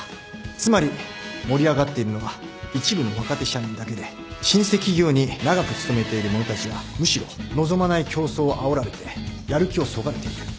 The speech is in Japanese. つまり盛り上がっているのは一部の若手社員だけで老舗企業に長く勤めている者たちはむしろ望まない競争をあおられてやる気をそがれている。